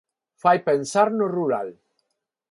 Fai pensar no rural.